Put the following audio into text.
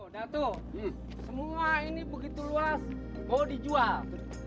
dato semua ini begitu luas mau dijual